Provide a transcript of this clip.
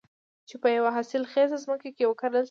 چې په يوه حاصل خېزه ځمکه کې وکرل شي.